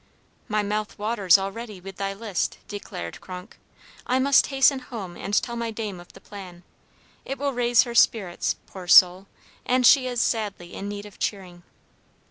"My mouth waters already with thy list," declared Kronk. "I must hasten home and tell my dame of the plan. It will raise her spirits, poor soul, and she is sadly in need of cheering."